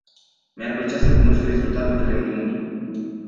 Mi-ar plăcea să cunosc rezultatul reuniunii.